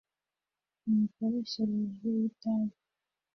imikoreshereze y itabi